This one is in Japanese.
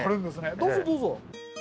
どうぞどうぞ。